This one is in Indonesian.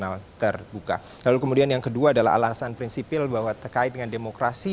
lalu kemudian yang kedua adalah alasan prinsipil bahwa terkait dengan demokrasi